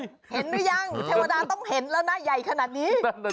เห็นหรือยังเทวดาต้องเห็นแล้วนะใหญ่ขนาดนี้